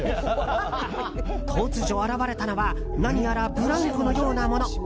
突如現れたのは何やらブランコのようなもの。